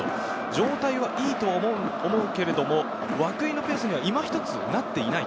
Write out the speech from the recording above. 状態はいいと思うんだけれど、涌井のペースには今ひとつなっていない。